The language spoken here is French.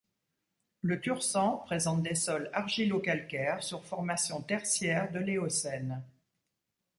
Le Tursan présente des sols argilo-calcaires sur formation Tertiaire de l'Éocène.